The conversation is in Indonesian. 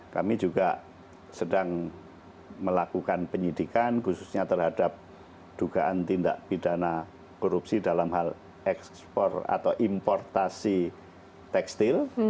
kami juga sedang melakukan penyidikan khususnya terhadap dugaan tindak pidana korupsi dalam hal ekspor atau importasi tekstil